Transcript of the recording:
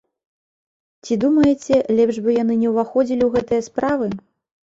Ці думаеце, лепш бы яны не ўваходзілі ў гэтыя справы?